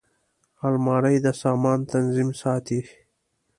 الماري د سامان تنظیم ساتي